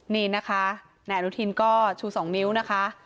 นี่นะคะแหน่งรุธินก็ชูสองนิ้วนะคะ